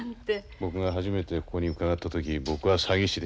僕が初めてここに伺った時僕は詐欺師でした。